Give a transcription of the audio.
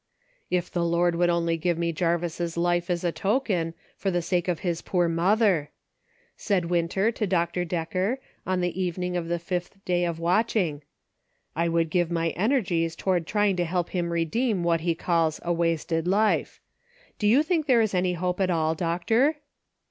" If the Lord would only give me Jarvis' life as a token, for the sake of his poor mother," said 326 A NIGHT FOR DECISIONS. Winter to Dr. Decker, on the evening of the fifth day of watching, " I would give my energies toward trying to help him redeem what he calls a wasted life. Do you think there is any hope at all, Doc tor.?"